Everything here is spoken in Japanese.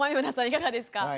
いかがですか？